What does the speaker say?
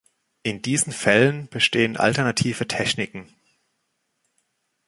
In diesen Fällen bestehen alternative Techniken.